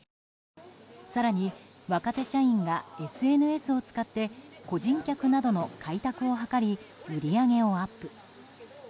更に、若手社員がＳＮＳを使って個人宅などの開拓を図り売り上げをアップ。